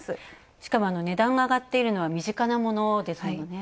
しかも値段が上がっているのは身近なものですよね。